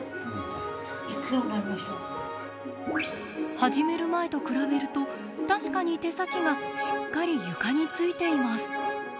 始める前と比べると確かに手先がしっかり床に着いています。